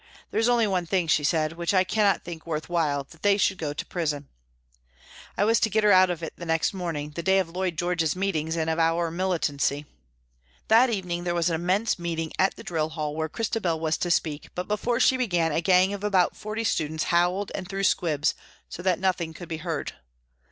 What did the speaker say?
" There is only one thing," she said, " which I cannot think worth while that they should go to prison." I waa to get her out of it the next morning, the 206 PRISONS AND PRISONERS day of Lloyd George's meetings and of our mili tancy. That evening there was an immense meeting at the drill hall where Christabel was to speak, but before she began a gang of about forty students howled and threw squibs, so that nothing could be heard.